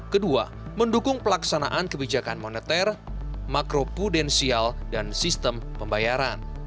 kedua mendukung pelaksanaan kebijakan moneter makropudensial dan sistem pembayaran